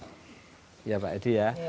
ya pak edi ya